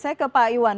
saya ke pak iwan